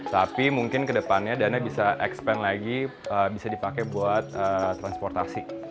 tapi mungkin ke depannya dana bisa expand lagi bisa dipakai buat transportasi